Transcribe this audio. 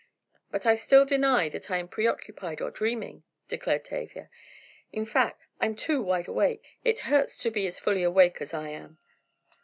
"But I still deny that I am preoccupied, or dreaming," declared Tavia. "In fact, I'm too wideawake. It hurts to be as fully awake as I am!"